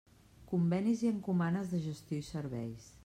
Convenis i encomanes de gestió i serveis.